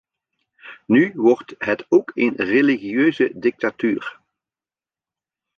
Nu wordt het ook een religieuze dictatuur.